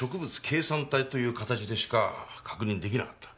ケイ酸体という形でしか確認出来なかった。